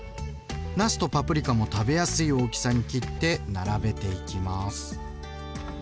なすとパプリカも食べやすい大きさに切って並べていきます。